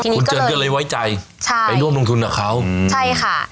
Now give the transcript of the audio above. คุณเจินก็เลยไว้ใจใช่ไปร่วมลงทุนกับเขาใช่ค่ะ